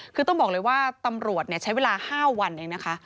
คือต้องบอกเลยว่าตำรวจใช้เวลา๕วันเองนะคะ